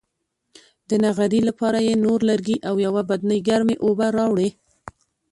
د نغري لپاره یې نور لرګي او یوه بدنۍ ګرمې اوبه راوړې.